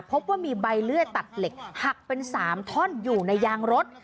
พบว่ามีใบเลื่อยตัดเหล็กหักเป็น๓ท่อนอยู่ในยางรถ